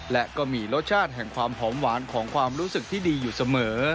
และก็มีรสชาติแห่งความหอมหวานของความรู้สึกที่ดีอยู่เสมอ